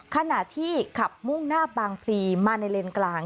ขณะที่ขับมุ่งหน้าบางพลีมาในเลนกลาง